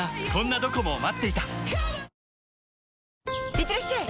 いってらっしゃい！